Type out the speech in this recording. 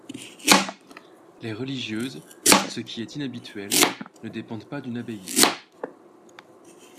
Les religieuses, ce qui est inhabituel, ne dépendent pas d'une abbaye.